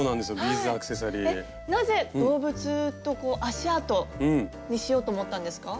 えっなぜ動物と足あとにしようと思ったんですか？